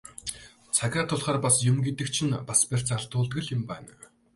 Цагаа тулахаар бас юм гэдэг чинь бас барьц алдуулдаг л юм байна.